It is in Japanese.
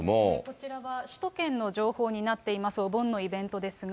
こちらは首都圏の情報になっています、お盆のイベントですが、